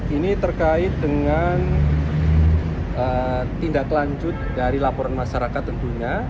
ini terkait dengan tindak lanjut dari laporan masyarakat tentunya